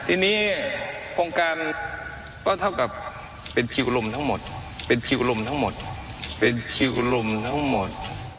ทีนี้โครงการก็เท่ากับเป็นคิวลมทั้งหมดเป็นคิวลมทั้งหมดเป็นคิวลมทั้งหมด